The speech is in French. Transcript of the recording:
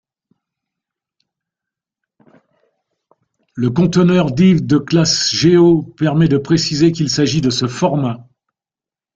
Le conteneur div de classe geo permet de préciser qu'il s'agit de ce format.